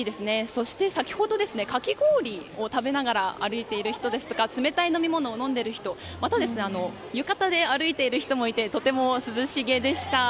そして、先ほどかき氷を食べながら歩いている人ですとか冷たい飲み物を飲んでいる人また、浴衣で歩いている人もいてとても涼しげでした。